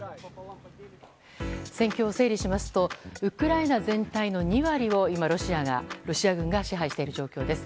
戦況を整理しますとウクライナ全体の２割を今、ロシア軍が支配している状況です。